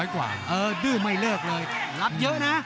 ๒๐๐กว่าดื้อไม่เลิกเลยรับเยอะนะ